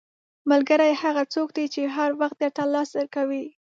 • ملګری هغه څوک دی چې هر وخت درته لاس درکوي.